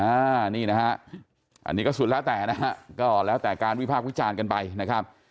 อันนี้นะฮะอันนี้ก็สุดแล้วแต่นะฮะก็แล้วแต่การวิพากษ์วิจารณ์กันไปนะครับ